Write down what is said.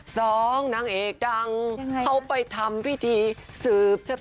สองนางเอกดังเขาไปทำพิธีสืบชะตา